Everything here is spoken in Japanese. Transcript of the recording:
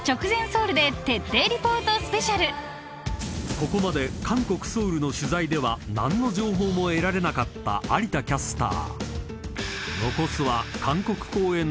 ［ここまで韓国ソウルの取材では何の情報も得られなかった有田キャスター］